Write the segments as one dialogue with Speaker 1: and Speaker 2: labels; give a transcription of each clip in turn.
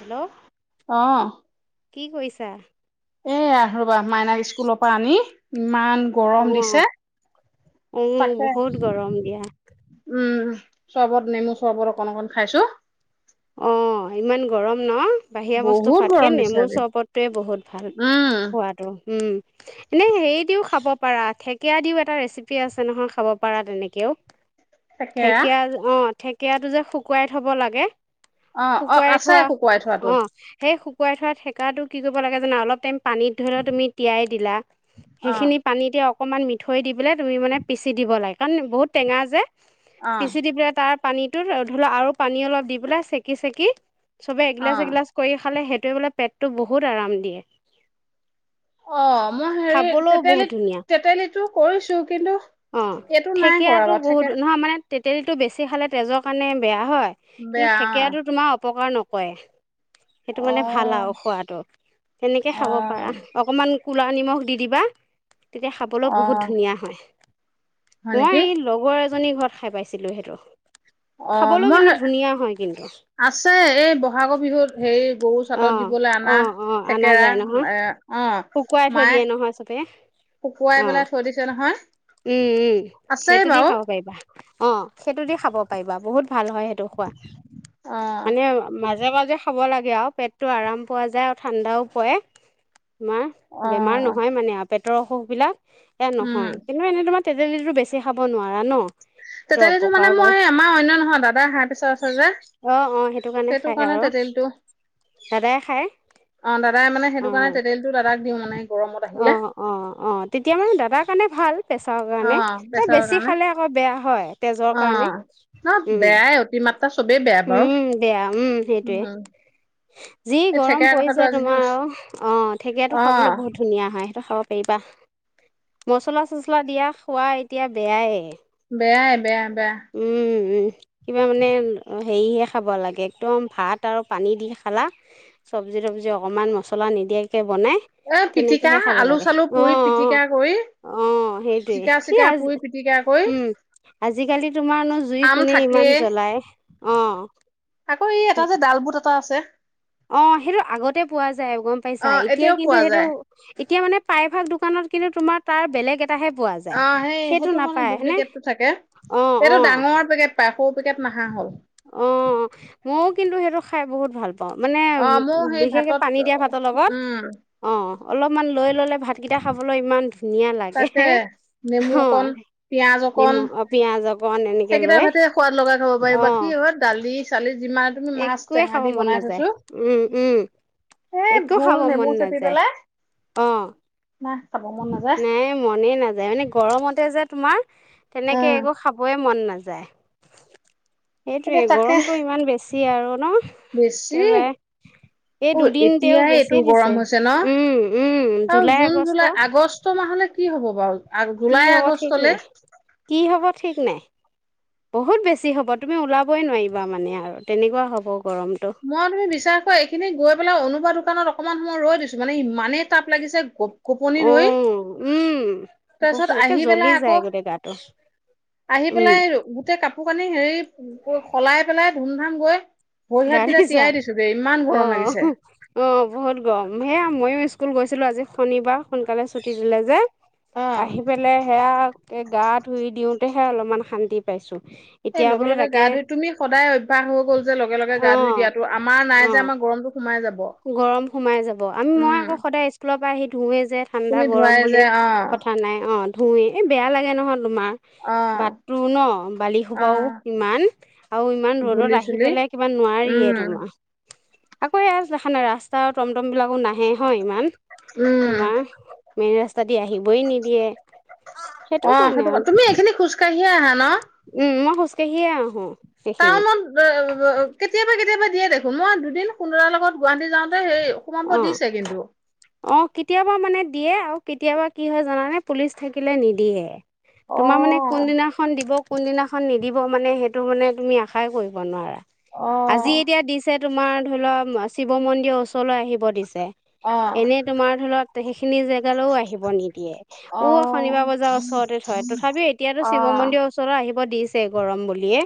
Speaker 1: Hello
Speaker 2: অ'।
Speaker 1: কি কৰিছা?
Speaker 2: এইয়া ৰবা মাইনাক স্কুলৰ পৰা আনি ইমান গৰম
Speaker 1: অ',
Speaker 2: দিছে
Speaker 1: অ',
Speaker 2: তাকে
Speaker 1: বহুত গৰম দিয়া।
Speaker 2: উম। চৰবত নেমু চৰবত অকন অকন খাইছো।
Speaker 1: অ' ইমান গৰম ন? বাহিৰা বস্তু
Speaker 2: বহুত
Speaker 1: খোৱাতকে
Speaker 2: গৰম দিছে
Speaker 1: নেমুৰ
Speaker 2: আজি
Speaker 1: চৰবতটোৱে বহুত ভাল
Speaker 2: উম
Speaker 1: খোৱাটো উম। এনেই হেৰি দিও খাব পাৰা থেকেৰা দিও এটা ৰেচিপি আছে নহয় খাব পাৰা তেনেকেও।
Speaker 2: তাকে
Speaker 1: ঢেকীয়া অ' ঢেক থেকেৰাটো যে শুকুৱাই থ'ব লাগে।
Speaker 2: অ অ
Speaker 1: শুকুৱাই
Speaker 2: আছে
Speaker 1: থোৱা
Speaker 2: শুকুৱাই থোৱাটো
Speaker 1: অ' সেই শুক শুকুৱাই থোৱা থেকেৰাটো কি কৰিব লাগে জানা অলপ টাইম পানীত ধৰি লোৱা তুমি তিয়াই দিলা
Speaker 2: অ
Speaker 1: সেইখিনি পানীতে অক অকণমান মিঠৈ দি পেলাই তুমি মানে পিচি দিব লাগে কাৰণ বহুত টেঙা যে।
Speaker 2: অ
Speaker 1: পিছি দি পেলাই তাৰ পানীটোত ধৰা আৰু পানী অলপ দি পেলাই চেকি চেকি চবে
Speaker 2: অ
Speaker 1: এগিলাচ এগিলাচ কৰি খালে সে সেইটো মানে পেটটো বহুত আৰাম দিয়ে।
Speaker 2: অ' মই হেৰি
Speaker 1: খাবলৈও বহুত
Speaker 2: তেতেলী
Speaker 1: ধুনীয়া
Speaker 2: তেতেলীটো কৰিছো কিন্তু
Speaker 1: অ',
Speaker 2: এইটো নাই কৰা
Speaker 1: থেকেৰাটো
Speaker 2: বাৰু থাকে
Speaker 1: বহুত, নহয় মানে তেঁতেলীটো বেছি খালে তেজৰ কাৰণে বেয়া। হয় কিন্তু
Speaker 2: বেয়া
Speaker 1: থেকেৰাটো তোমাৰ উপকাৰ নকৰে।
Speaker 2: অ
Speaker 1: সেইটো মানে ভাল আৰু খোৱাতটো, তেনেকে
Speaker 2: অ অ
Speaker 1: খাব পাৰা। অকমান কু'লা নিমখ দি দিবা। তেতিয়া খাবলৈ
Speaker 2: অ
Speaker 1: বহুত ধুনীয়া হয়।
Speaker 2: হয়
Speaker 1: মই
Speaker 2: নেকি
Speaker 1: এই লগৰ এজ জনীৰ ঘৰত খাই পাইছিলোঁ সেইটো।
Speaker 2: অ',
Speaker 1: খাবলৈ
Speaker 2: মই,
Speaker 1: কিন্তু ধুনীয়া হয় কিন্তু
Speaker 2: আছে এই বহাগৰ বিহুত হেৰি গৰু
Speaker 1: অ
Speaker 2: চাটত দিবলৈ আনা
Speaker 1: অ অ অনা
Speaker 2: থেকেৰা
Speaker 1: যায় নহয়
Speaker 2: এ, অ',
Speaker 1: শুকুৱাই থৈ
Speaker 2: মায়ে
Speaker 1: দিয়ে নহয় চবে
Speaker 2: শুকুৱাই
Speaker 1: অঁ
Speaker 2: পেলাই থৈ দিছে নহয়।
Speaker 1: উম, উম।
Speaker 2: আছেই
Speaker 1: সেইটো দি
Speaker 2: বাৰু
Speaker 1: খাব পাৰিবা। [inaudible] অ', সেইটো দি খাব পাৰিবা। বহুত ভাল হয় সেইটো খোৱা।
Speaker 2: অ
Speaker 1: মানে আাজে মাজে খাব লাগে আৰু পেটটো আৰাম পোৱা যায় আৰু ঠাণ্ডাও পৰে। তোমাৰ
Speaker 2: অ
Speaker 1: বেমাৰ নহয় মানে আ পেটৰ অসুখবিলাক এ
Speaker 2: উম
Speaker 1: নহয়। তোমাৰ তেতেলীতো বেছি খাব নোৱাৰা ন। সেইটো
Speaker 2: তেতেলীটো
Speaker 1: অপকাৰ
Speaker 2: মানে
Speaker 1: কৰে
Speaker 2: মই আমাৰ অন্য নহয় দাদাৰ হাইপ্ৰেচাৰ আছে যে
Speaker 1: অঁ
Speaker 2: সেইটো কাৰণে তেতেলীটো
Speaker 1: দাদায় খায়?
Speaker 2: অ, দাদাই মানে সেইটো কাৰণে তেতেলীটো দাদাক দিওঁ মানে। গৰমত আহিলে
Speaker 1: অহ, অহ, অহ। তেতিয়া মানে দাদাক সেইকাৰণে ভাল। প্ৰেছাৰ
Speaker 2: অ
Speaker 1: কাৰণে ত
Speaker 2: প্ৰেছাৰৰ
Speaker 1: বেছি
Speaker 2: কাৰণে
Speaker 1: খালে আকৌ বেয়া হয় তেজৰ
Speaker 2: অ
Speaker 1: কাৰণে।
Speaker 2: ন
Speaker 1: উম,
Speaker 2: বেয়াই অতিমাত্ৰা চবেই বেয়া বাৰু
Speaker 1: উম, বেয়া উম, সেইটোৱে।
Speaker 2: উম
Speaker 1: যি
Speaker 2: এই
Speaker 1: গৰম
Speaker 2: থেকেৰা কথাটো
Speaker 1: পৰিছে
Speaker 2: আজিহে
Speaker 1: তোমাৰ
Speaker 2: কৈছো
Speaker 1: আৰু। অ', থেকেৰাটো
Speaker 2: অ
Speaker 1: খাবলৈ বহুত ধুনীয়া হয়। সিহটো খাব পাৰিবা। মচলা-চচলা দিয়া খোৱা এতিয়া বেয়াই।
Speaker 2: বেয়াই বেয়া। বেয়া
Speaker 1: উম, উম, কিবা মানে অ হেৰিহে খাব লাগে একদম ভাত আৰু পানী দি খালা, চবজি তবজি অকণমান মছলা নিদিয়া কে তে বনাই
Speaker 2: এ
Speaker 1: তেনেকে
Speaker 2: পিটিকা
Speaker 1: হে খাব
Speaker 2: আলু
Speaker 1: লাগে।
Speaker 2: চালু
Speaker 1: অ',
Speaker 2: পুৰি
Speaker 1: অ',
Speaker 2: পিটিকা কৰি
Speaker 1: অ', সেইটোৱে
Speaker 2: জিকা
Speaker 1: এই
Speaker 2: চিকা
Speaker 1: আজি,
Speaker 2: পুৰি পিটিকা কৰি
Speaker 1: উম, আজি কালি কাৰো জুই
Speaker 2: আম
Speaker 1: কোনে
Speaker 2: থাকে
Speaker 1: ইমান জ্বলাই, অ।
Speaker 2: আকৌ এই এটা যে ডাল বুট এটা আছে।
Speaker 1: অ' সেইটো আগতে পোৱা যা যে গম
Speaker 2: অ
Speaker 1: পাইছাঁ এতিয়া
Speaker 2: এতিয়াও
Speaker 1: কিন্তু
Speaker 2: পোৱা
Speaker 1: সেইটো
Speaker 2: যায়
Speaker 1: এতিয়া মানে প্ৰায়ভাগ দোকানত কিন্তু তোমাৰ তাৰ বেলেগ এ
Speaker 2: অ' সেই-সেইটো মানে
Speaker 1: হয়নে
Speaker 2: ডুপ্লিকেটটো থাকে
Speaker 1: অ অ
Speaker 2: সেইটো ডাঙৰ পেকেট পাই সৰু পেকেট নাহা হ'ল।
Speaker 1: অ' ময়ো কিন্তু সেইটো খাই বহুত ভাল পা অ মানে
Speaker 2: অ মোৰ
Speaker 1: উ
Speaker 2: সেই
Speaker 1: বিশেষকে
Speaker 2: ভাতত
Speaker 1: পানী দিয়া ভাতৰ লগত
Speaker 2: উম
Speaker 1: অ' অলপমান লৈ ল'লে ভাতকেইটা খাবলৈ ইমান ধুনীয়া লাগে
Speaker 2: তাকে
Speaker 1: হে,
Speaker 2: নেমু অকণ
Speaker 1: অ'
Speaker 2: পিয়াজ অকণ
Speaker 1: নিমখ পিয়াজক
Speaker 2: সেইকেইটা ভাতে সোৱাদ লগা খাব পাৰি
Speaker 1: অ
Speaker 2: বাকি হয় [unintelligible] মাছ
Speaker 1: একোৱে
Speaker 2: টেঙা
Speaker 1: খাব
Speaker 2: দি
Speaker 1: মন
Speaker 2: বনাই
Speaker 1: নাযায়,
Speaker 2: থৈছো
Speaker 1: উম উম
Speaker 2: এ
Speaker 1: একো
Speaker 2: ভোল
Speaker 1: খাব
Speaker 2: নেমু
Speaker 1: মন
Speaker 2: চেপি
Speaker 1: নাযায়,
Speaker 2: পেলাই
Speaker 1: অ',
Speaker 2: নাই খাব মন নাযায়
Speaker 1: নাই মনে নাযায় মানে গৰমতে যে তোমাৰ তেনেকে
Speaker 2: উম
Speaker 1: একো খাবয়ে মন নাযা যায়
Speaker 2: এতিয়া
Speaker 1: সেইটোয়ে
Speaker 2: তাকে
Speaker 1: গৰমটো ইমান বেছ
Speaker 2: বেছি
Speaker 1: এই
Speaker 2: অ'
Speaker 1: দুদিন তেওঁ
Speaker 2: এতিয়াই
Speaker 1: বেছি
Speaker 2: এইটো
Speaker 1: দিছে
Speaker 2: গৰম হৈছে ন
Speaker 1: উম উম
Speaker 2: আৰু
Speaker 1: July
Speaker 2: June
Speaker 1: August
Speaker 2: July August মাহলে কি হ'ব? গৰম আৰু
Speaker 1: কি
Speaker 2: জুলাই
Speaker 1: হ'ব ঠিক
Speaker 2: আগষ্টলে
Speaker 1: নাই কি হ'ব ঠিক নাই বহুত বেছি হ'ব তুমি ওলাবই নোৱাৰিবা মানে আৰু তেনেকুৱা হ'ব। গৰমটো
Speaker 2: মই তুমি বিচাৰ কৰ এইখিনি গৈ পেলাই অনুপা দোকানত অকণমান সময় ৰৈ দিছোঁ মানে ইমানেই তাপ লাগিছে খোপনি
Speaker 1: অ
Speaker 2: ধৰি,
Speaker 1: উম বহুত
Speaker 2: তাৰপিছত
Speaker 1: একে
Speaker 2: আহি
Speaker 1: জ্বলি
Speaker 2: পেলাই
Speaker 1: যায়
Speaker 2: আকৌ,
Speaker 1: গোটেই গাটো
Speaker 2: আহি
Speaker 1: উম
Speaker 2: পেলাই গোটেই কাপ কাপোৰ কানি হেৰি সলাই পেলাই ধুম ধাম গৈ
Speaker 1: [unintelligible]
Speaker 2: [unintelligible] দিছোগে ইমান গৰম
Speaker 1: অ'
Speaker 2: লাগিছে
Speaker 1: অ' বহুত গৰম সেয়া ময়ো স্কুল গৈছিলো আজি শনিবাৰ সোনকালে ছুটি দিলে যে।
Speaker 2: অ
Speaker 1: আহি পেলাই সেয়া গা ধুই দিওঁতেহে অলপমান শান্তি পাইছোঁ।
Speaker 2: সেই
Speaker 1: এতিয়া
Speaker 2: লগে
Speaker 1: বোলো
Speaker 2: লগে
Speaker 1: তাকে
Speaker 2: গা ধুই তুমি সদায় অভ্যাস হৈ গ'ল যে লগে লগে গা ধুই
Speaker 1: অ',
Speaker 2: দিয়াতো আমাৰ নাই যে,
Speaker 1: অ',
Speaker 2: আমাৰ গৰমটো সোমাই যাব।
Speaker 1: গৰম সোমাই যাব, আমি মই
Speaker 2: উম
Speaker 1: আকৌ সদায় স্কুলৰ পা আহি ধুওৱে [inaudible] যে ঠাণ্ডা
Speaker 2: তুমি
Speaker 1: গৰম
Speaker 2: ধুৱাই যে
Speaker 1: বুলি
Speaker 2: অ
Speaker 1: কথা নাই, অ'। ধুওৱে, এই বেয়া লাগে নহয়। তোমাৰ
Speaker 2: অ
Speaker 1: বাটটো ন বালি
Speaker 2: অ
Speaker 1: সোপাও ইমান, আৰু ইমান ৰ'দত
Speaker 2: ধূলি
Speaker 1: আহি
Speaker 2: চুলি
Speaker 1: পেলাই কিবা নোৱাৰিয়ে
Speaker 2: উম
Speaker 1: তোমাৰ। আকৌ [unintelligible] [unintelligible] ৰাস্তা আও ট'মট'মবিলাকো নাহে হয় ইমান?
Speaker 2: উম
Speaker 1: তোমাৰ মেইন ৰাস্তা দি আহিবই নিদিয়ে, সেইটো
Speaker 2: অ
Speaker 1: কাৰণে
Speaker 2: ক-
Speaker 1: আৰু। উম,
Speaker 2: তুমি এইখিনি খোজকাঢ়িয়ে আহা ন
Speaker 1: মই খোজকঢ়িয়ে আহোঁ। সেইখিনি
Speaker 2: টাওনত [inaudible] কেতিয়াবা কেতিয়াবা [unintelligible] [unintelligible] দুদিন সোণ দাদাৰ লগত গুৱাহাটী যাওঁতে হেই, সোমাব দিছে কিন্তু।
Speaker 1: অ কেতিয়াবা মানে দিয়ে আৰু কেতিয়াবা কি হয় জানানে পুলিচ থাকিলে নিদিয়ে।
Speaker 2: অ
Speaker 1: তোমাৰ মানে কোনদিনাখন দিব। কোনদিনাখন নিদিব মানে সেইটো মানে তুমি আশাই কৰিব নোৱাৰা।
Speaker 2: অ
Speaker 1: আজি এতিয়া দিছ এই তোমাৰ ধৰি ল, শিৱ মন্দিৰৰ ওচৰলৈ আহিব দিছ। [unintelligible]
Speaker 2: অ
Speaker 1: এনে তোমাৰ ধইলক [unintelligible] খিনি জেগালৈও আহিব নিদিয়ে।
Speaker 2: অ
Speaker 1: ও শনিবাৰ বজাৰ ওচৰতে থয়, তথাপিও এতিয়াতো
Speaker 2: অ
Speaker 1: শিৱ মন্দিৰৰ ওচৰত আহি [unintelligible] দিছে গৰম বুলি। ইয়ে,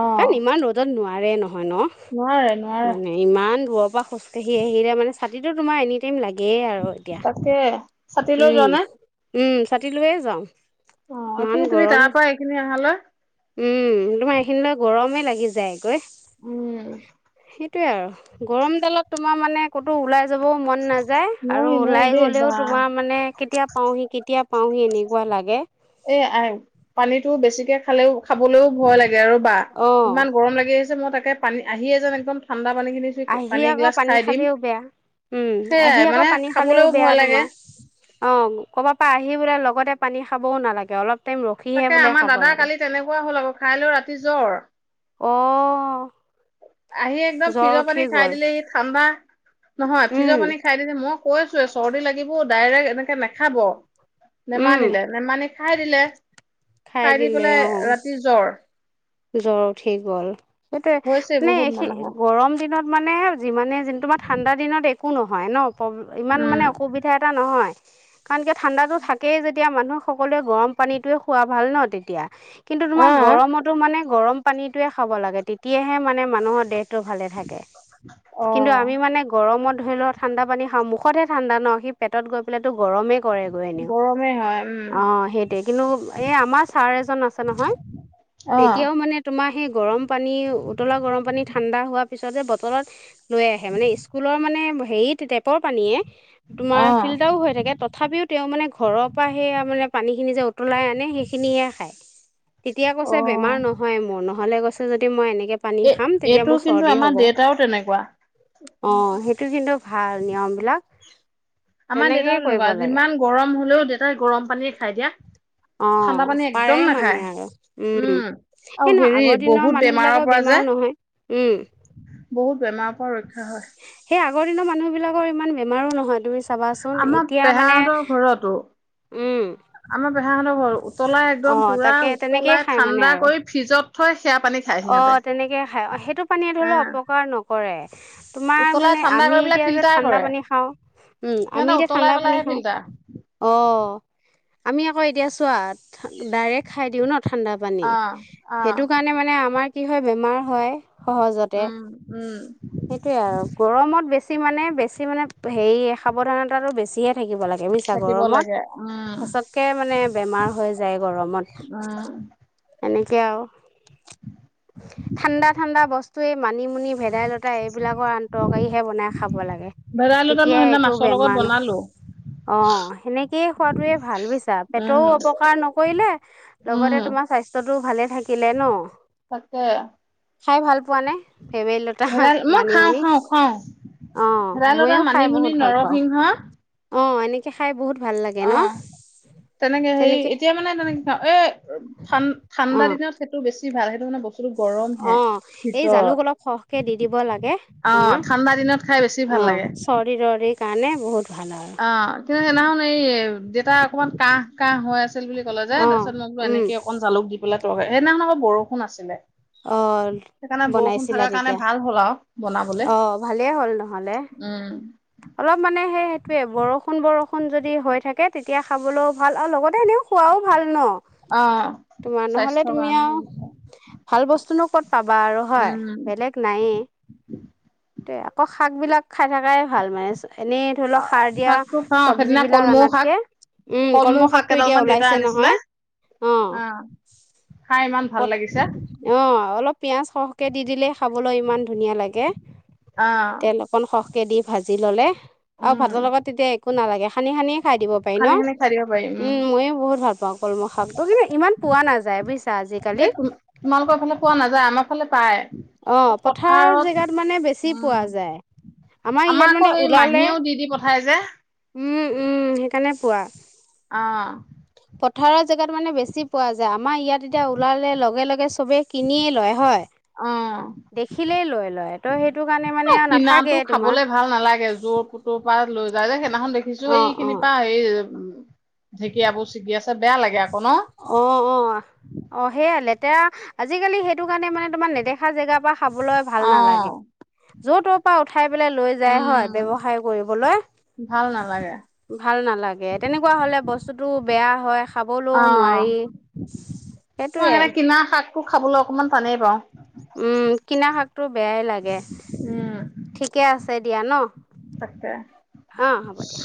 Speaker 2: অ
Speaker 1: কাৰণ ইমান ৰ'দত নোৱা আৰে নহয় ন?
Speaker 2: নোৱাৰে নোৱাৰে
Speaker 1: মানে ইমান। [unintelligible] খোজকাঢ়ি‌ আহিলে মানে ছাটিটো তোমাৰ এনি টাইম লাগ এইয়ে আৰু এতিয়া,
Speaker 2: তাকে ছাতি
Speaker 1: উ,
Speaker 2: লৈ যোৱা নে
Speaker 1: উ। ছাতি লৈয়ে যাওঁ।
Speaker 2: অ
Speaker 1: ইমান
Speaker 2: এইখিনি তুমি
Speaker 1: গৰম!
Speaker 2: তাৰ পৰা এইখিনি অহালৈ
Speaker 1: উম, তোমাৰ এইখিনিলৈ গৰমে। লাগি যায়গৈ।
Speaker 2: উ।
Speaker 1: সেইটোৱে আৰু। গৰম ডালত তোমাৰ মানে ক'তো ওলাই যাবও মন নাযায় আৰু
Speaker 2: নোৱাৰি নোৱাৰি
Speaker 1: ওলাই
Speaker 2: দেই
Speaker 1: গ'লেও
Speaker 2: বা
Speaker 1: তোমাৰ মানে কেতিয়া পাওঁহি কেতিয়া পাওঁহি এনেকুৱা লাগে
Speaker 2: এ আয় পানীতো বেছিকে খালেও খাবলৈও ভয় লাগে [unintelligible] বাহ
Speaker 1: অ
Speaker 2: ইমান গৰম লাগি আহিছে মই তাকে পানী আহিয়ে যেন একদম ঠাণ্ডা পানী খিনি চুই
Speaker 1: আহি আকৌ
Speaker 2: এগিলাচ
Speaker 1: পানী
Speaker 2: খাই দিম
Speaker 1: খালেও বেয়া উম আহি
Speaker 2: সেয়াই
Speaker 1: আকৌ
Speaker 2: মানে
Speaker 1: পানী খালেও
Speaker 2: খাবলৈও
Speaker 1: বেয়া
Speaker 2: ভয় লাগে
Speaker 1: তোমাৰ অ ক'ৰবাৰ পৰা আহি বোলে লগতে পানী খাবও নালাগে অলপ টাইম ৰখিহে
Speaker 2: তাকে
Speaker 1: বোলে
Speaker 2: আমাৰ
Speaker 1: খাব
Speaker 2: দাদা
Speaker 1: লাগে
Speaker 2: কালি তেনেকুৱাই হ'ল আকৌ খাই লৈ ৰাতি জ্বৰ।
Speaker 1: অ
Speaker 2: আহি একদম
Speaker 1: জ্বৰ
Speaker 2: ফ্ৰিজৰ
Speaker 1: উঠি
Speaker 2: পানী খাই
Speaker 1: গ'ল
Speaker 2: দিলে সি ঠাণ্ডা নহয় ফ্ৰিজৰ
Speaker 1: উম
Speaker 2: পানী খাই দিছে মোক কৈছোৱে চৰ্দি লাগিব ডাইৰেক্ট এনেকে নেখাব
Speaker 1: উম
Speaker 2: নেমানিলে নেমানি খাই দিলে খাই দি
Speaker 1: দিলে
Speaker 2: পেলাই
Speaker 1: অ
Speaker 2: ৰাতি জ্বৰ
Speaker 1: জ্বৰ উঠি গ'ল
Speaker 2: হৈছে
Speaker 1: সেইটোয়ে মানে
Speaker 2: বহুত
Speaker 1: সেই
Speaker 2: মানুহৰ
Speaker 1: গৰম দিনত মানে যিমানে যিন তোমাক ঠাণ্ডা দিনত এ একো নহয় ন প্ৰব ইমান
Speaker 2: উম
Speaker 1: মানে অসুবিধা এটা নহয় কাৰণ কিয় ঠাণ্ডাটো থাকেই যে। তেতিয়া মানুহ সকলোৱে গৰম পানীতয়ে খোৱা ভাল ন তেতিয়া কিন্তু তোমাৰ গৰমত মানে গৰম পানীটোহে খাব লাগে তেতিয়াহে মানে মানুহৰ দেহটো ভালে থাকে
Speaker 2: অ
Speaker 1: কিন্তু
Speaker 2: অ
Speaker 1: আমি মানে গৰমত ধৰিলো ঠাণ্ডা পানী খাওঁ মুখতহে ঠাণ্ডা ন সি পেটত গৈ পেলাইটো গৰমে কৰেগৈ এনেও
Speaker 2: গৰমে হয় উম
Speaker 1: অ' সেইটোৱে কিন্তু এই আমাৰ ছাৰ এজন আছে নহয়
Speaker 2: অ
Speaker 1: এতিয়াও মানে তোমাৰ তোমাৰ সেই গৰম পানী উতলা গৰম পানী ঠাণ্ডা হোৱা পিছতে বটলত লৈ আহে মানে স্কুলৰ মানে হেৰি টেপৰ পানীয়ে তোমাৰ
Speaker 2: অ
Speaker 1: ফিল্টাৰও হৈ থাকে তথাপিও তেও মানে ঘৰৰ পৰা সেয়া মানে পানী খিনি যে উতলাই আনে সিখিনিহে খায়। পিছে
Speaker 2: অ
Speaker 1: বেমাৰ নহয় মোৰ ন [unintelligible] গৈছে যদি মই এনেক যেতিয়া পানী
Speaker 2: এই
Speaker 1: খাম তেতিয়া
Speaker 2: এইটো
Speaker 1: মোৰ
Speaker 2: কিন্তু
Speaker 1: চৰ্দি
Speaker 2: আমাৰ
Speaker 1: হ'ব
Speaker 2: দেউতাও তেনেকুৱা
Speaker 1: অহ সেইটো কিন্তু ভাল নিয়ম বিলাক
Speaker 2: আমাৰ দেতাও তেনেকুৱা, যিমান গৰম হ'লেও দেতাই গৰম পানীয়েই খাই দিয়া। ঠাণ্ডা
Speaker 1: অ',
Speaker 2: পানী একদম
Speaker 1: পাৰে মানে
Speaker 2: নাখায়
Speaker 1: আৰু উম,
Speaker 2: আৰু
Speaker 1: সেই নহয়,
Speaker 2: হেৰি
Speaker 1: আগৰ দিনৰ
Speaker 2: বহুত বেমাৰৰ
Speaker 1: মানুহবিলাকৰ
Speaker 2: পৰা যে
Speaker 1: বেমাৰো নহয়, উম।
Speaker 2: বহুত বেমাৰ ৰক্ষা হয়।
Speaker 1: সেই আগৰ দিনৰ মানুহবিলাকৰ ইমান বেমাৰো নহয়, তুমি চাবাচোন
Speaker 2: আমাৰ
Speaker 1: এতিয়া মানে
Speaker 2: পেহাহঁতৰ ঘৰতো
Speaker 1: উম।
Speaker 2: আমা পেহাহঁতৰ ঘৰটো উতলাই
Speaker 1: অ
Speaker 2: একদম পোৰা
Speaker 1: তাকে
Speaker 2: উতলাই,
Speaker 1: মানে
Speaker 2: ঠাণ্ডা
Speaker 1: আৰু
Speaker 2: কৰি ফ্ৰিজত [unintelligible] খায় সিহঁতে
Speaker 1: অ', তেনেকেই খাই। অ', সেইটো পানীয়ে ধৰি
Speaker 2: অ
Speaker 1: লও অপকাৰ নকৰে, তোমাৰ
Speaker 2: উতলাই
Speaker 1: মানে
Speaker 2: ঠাণ্ডা
Speaker 1: আমি
Speaker 2: কৰি পেলাই
Speaker 1: এতিয়া যে
Speaker 2: ফিল্টাৰ
Speaker 1: ঠাণ্ডা
Speaker 2: কৰে
Speaker 1: পানী খাওঁ। উম, আমি
Speaker 2: সিহঁতে
Speaker 1: এতিয়া
Speaker 2: উতলাই
Speaker 1: ঠাণ্ডা পানী
Speaker 2: পেলাইহে
Speaker 1: খাওঁ।
Speaker 2: ফিল্টাৰ
Speaker 1: অ'। আমি আকৌ এতিয়া চোৱা, ডাইৰেক্ট খাই দিওঁ ন'। ঠাণ্ডা পানী,
Speaker 2: অ অ
Speaker 1: সেইটো কাৰণে মানে আমাৰ কি হয়, বেমাৰ হয়। সহজতে,
Speaker 2: উম, উম,
Speaker 1: সেইটোয়ে আৰু গৰমত বেছ বেছি মানে, বেছি মানে হেই সাৱধানতাটো বেছিহে থাকিব লাগ বুইছা
Speaker 2: থাকিব
Speaker 1: গৰমত,
Speaker 2: লাগে উম,
Speaker 1: খচককে মানে বেমাৰ হৈ যায় গৰমত,
Speaker 2: উম।
Speaker 1: এনেকে আৰু ঠাণ্ডা ঠাণ্ডা বস্তুৱেই মানিমুনি, ভেদাইলতা এইবিলাকৰ আন-তৰকাৰীহে বনাই খাব লাগে।
Speaker 2: ভেদাইলতা
Speaker 1: তেতিয়া
Speaker 2: মই সেইদিনা
Speaker 1: একো
Speaker 2: মাছৰ লগত
Speaker 1: বেমাৰ নহ,
Speaker 2: বনালো
Speaker 1: অ' সেনেকেই খোৱাটোৱে ভাল বুইছা,
Speaker 2: উম,
Speaker 1: পেটৰো অপকাৰ নকৰিলে,
Speaker 2: উম,
Speaker 1: লগতে তোমাৰ স্বাস্থ্যটোও ভালে থাকিলে ন'।
Speaker 2: তাকে।
Speaker 1: খাই ভাল পোৱানে? ভেৱেলিলতা হা,
Speaker 2: ভেদাই মই খাওঁ,
Speaker 1: মানিমুনি?
Speaker 2: খাওঁ, খাওঁ
Speaker 1: অ',
Speaker 2: ভেদাইলতা,
Speaker 1: ময়ো খাই
Speaker 2: মানিমুনি,
Speaker 1: বহুত ভাল পাওঁ।
Speaker 2: নৰসিংহ
Speaker 1: অ', এনেকৈ খাই বহুত ভাল লাগে ন
Speaker 2: অ', তেনেকে হেই, এতিয়া মানে তেনেকে খাওঁ। এই
Speaker 1: অ
Speaker 2: ঠান-ঠাণ্ডা দিনত সেইটো বেছ বেছি ভাল, সেইটো মানে বছ
Speaker 1: অ', এই জালুক অলপ সহকে দি দিব লাগে,
Speaker 2: অ',
Speaker 1: তোমাৰ।
Speaker 2: ঠাণ্ডা দিনত খাই বেছি ভাল
Speaker 1: অ',
Speaker 2: লাগে।
Speaker 1: চৰ্দি তৰ্দি কাৰণে বহুত ভাল আৰু।
Speaker 2: অ', কিন্তু সেইদিনাখন এই, দেতা অকণমান কাঁহ কাঁহ হৈ আছ বুলি ক'লে যে, তাৰচত
Speaker 1: অ'
Speaker 2: মই
Speaker 1: উম
Speaker 2: এনেকে অকন জালুক দি পেলাই তৰকাৰি, সেইদিনাখন আকৌ বৰ' [unintelligible] আছিলে।
Speaker 1: অ
Speaker 2: সেইকাৰণে বৰষুণ
Speaker 1: বনাইছিলা
Speaker 2: থকাৰ কাৰণে
Speaker 1: তেতিয়া
Speaker 2: ভাল হ'ল আৰু বনাবলে।
Speaker 1: অ ভালেই হ'ল নহলে। অলপ মানে সেই সেইটোয়ে, বৰষুণ বৰষুণ [unintelligible] যদি হৈ থাকে তেতিয়া খাবলৈও ভাল আৰু লগতে এনেও খোৱাও ভাল ন।
Speaker 2: অহ
Speaker 1: তোমাৰ নহ'লে
Speaker 2: স্বাস্থ্যৰ
Speaker 1: তুমি
Speaker 2: কাৰণে
Speaker 1: আও,
Speaker 2: বহুত ভাল।
Speaker 1: ভাল বস্তুনো ক'ত পাবা আৰু হয়
Speaker 2: উম
Speaker 1: বেলেগ নায়েই। ত আকৌ শাক বিলাক খাই থাকাই। ভাল মানে। এনেই ধৰি
Speaker 2: অ
Speaker 1: লওক সাৰ দিয়া
Speaker 2: শাকটো খাওঁ
Speaker 1: শৱজী
Speaker 2: সেইদিনা
Speaker 1: বিলাক
Speaker 2: কলমৌ শাক
Speaker 1: আনাতকে, উম কলম
Speaker 2: কলমৌ শাক
Speaker 1: শাকটো এতিয়া
Speaker 2: কেইডালমান দেউতাই
Speaker 1: ওলাইছে
Speaker 2: আনিছিলে
Speaker 1: নহয়। অ
Speaker 2: খাই ইমান
Speaker 1: প
Speaker 2: ভাল লাগিছে
Speaker 1: অ অলপ পিয়াজ সৰহকৈ দি দিলেই খাবলৈ ইমান ধুনীয়া লাগে।
Speaker 2: অ
Speaker 1: তেল অকণ সহ কে দি ভাজি ল'লে আৰু
Speaker 2: উম
Speaker 1: ভাতৰ লগত তেতিয়া এক একো নালাগে, সানি সানি খাই দিব পাৰি ন।
Speaker 2: সানি সানি খাই দিব পাৰি
Speaker 1: উম ময়ো বহুত ভাল পাওঁ কলম শাকটো, কিন্তু ইমান পোৱা নাযায় বুইছা আজিকালি।
Speaker 2: এই তোমালোকৰ ফালে পোৱা নাযায় আমাৰ ফালে পায়
Speaker 1: অ পথাৰ
Speaker 2: পথাৰত
Speaker 1: জেগাত মানে বেছি
Speaker 2: উম
Speaker 1: পোৱা যায়। আমাৰ ইয়াত
Speaker 2: আকৌ
Speaker 1: মানে
Speaker 2: সেই
Speaker 1: ওলালে
Speaker 2: মাহীয়েও দি দি পঠাই যে
Speaker 1: উম উম সেইকাৰণে পোৱা।
Speaker 2: অ।
Speaker 1: পথাৰৰ জেগাত মানে বেছি পোৱা যায়, আমাৰ ইয়াত এতিয়া ওলালে লগে লগে চবেই কিনিয়েই লয় হয়।
Speaker 2: অ
Speaker 1: দেখিলেই লই লয়। তই সেই
Speaker 2: অ' কিনাটো খাবলৈ ভাল নালাগে যৰ তৰ পৰা লৈ। [unintelligible] সেইদিনাখন দেখিছো এই
Speaker 1: অঁ
Speaker 2: খিনি
Speaker 1: অঁ
Speaker 2: পা এই ঢেঁকীয়াবোৰ ছিগি আছে বেয়া লাগে আকৌ। ন
Speaker 1: অ অ অ সেয়াই লেত। এতিয়া আজিকালি সেইটো কাৰণে মানে তোমাৰ নেদেখা জেগাৰ পৰা খাবলৈ ভাল
Speaker 2: অ
Speaker 1: নালাগে। যৰ তৰ পৰা উঠ উঠাই পেলাই লৈ যায় হয়
Speaker 2: উম
Speaker 1: ব্যৱসায় কৰিবলৈ।
Speaker 2: ভাল নালাগে
Speaker 1: ভাল নালাগে তেনেকুৱা হলে বস্তুতো বেয়া। হয় খা
Speaker 2: অ মই
Speaker 1: সেইটোৱে
Speaker 2: সে কিনা শাকটো খাবলৈ অকমান তানেই ৰ
Speaker 1: উম কিনা শাকটো বেয়াই লাগে
Speaker 2: উম
Speaker 1: ঠিকে আছে দিয়া ন
Speaker 2: তাকে [inaudible]
Speaker 1: অঁ হ'ব দিয়া